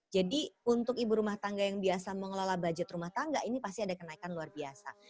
jadi untuk ibu rumah tangga yang biasa mengelola budget rumah tangga ini pasti ada kenaikan luar biasa